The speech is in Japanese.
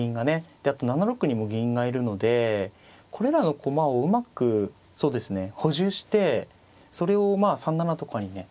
であと７六にも銀がいるのでこれらの駒をうまく補充してそれをまあ３七とかにね